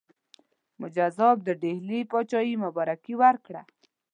مجذوب د ډهلي پاچهي مبارکي ورکړه.